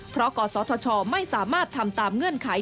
เพราะกศธชไม่สามารถทำตามเงื่อนไข